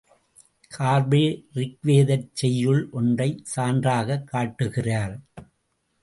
கார்பே, ரிக்வேதச் செய்யுள் ஒன்றைச் சான்றாகக் காட்டுகிறார்.